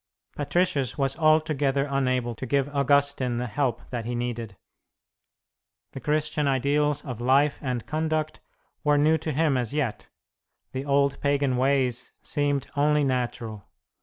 Patricius was altogether unable to give Augustine the help that he needed. The Christian ideals of life and conduct were new to him as yet; the old pagan ways seemed only natural.